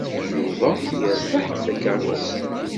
Yuba yerbeḥ-d takeṛṛust.